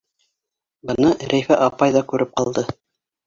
Быны Рәйфә апай ҙа күреп ҡалды.